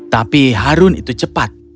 tapi harun itu cepat